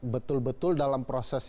betul betul dalam proses